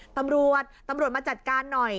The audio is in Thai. ตำรวจตำรวจมาจัดการหน่อย